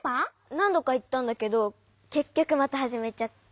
なんどかいったんだけどけっきょくまたはじめちゃって。